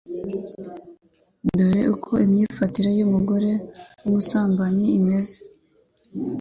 Dore uko imyifatire y’umugore w’umusambanyi imeze